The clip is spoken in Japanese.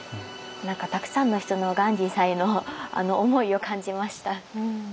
何かたくさんの人の鑑真さんへの思いを感じました。